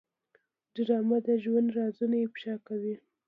ډرامه د ژوند رازونه افشا کوي